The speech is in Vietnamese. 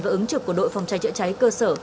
và ứng trực của đội phòng cháy chữa cháy cơ sở